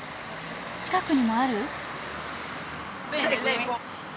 近くにもある？